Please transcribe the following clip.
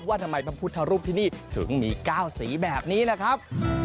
ว่าทำไมพระพุทธรูปที่นี่ถึงมี๙สีแบบนี้ล่ะครับ